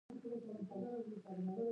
د فراه ښار د فراه مرکز دی